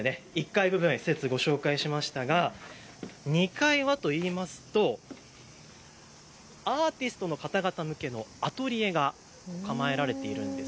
ここまで１階部分の施設をご紹介しましたが２階はというとアーティストの方々向けのアトリエが構えられているんです。